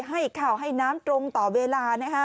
ให้ข่าวให้น้ำตรงต่อเวลา